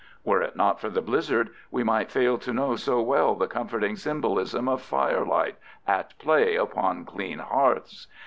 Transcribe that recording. Were it not for the blizzard we might fail to know so well the comforting symbolism of firelight at play upon clean hearths.